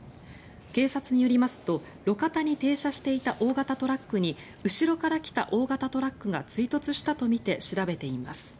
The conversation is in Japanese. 警察によりますと路肩に停車していた大型トラックに後ろから来た大型トラックが追突したとみて調べています。